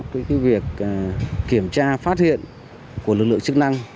cái việc kiểm tra phát hiện của lực lượng chức năng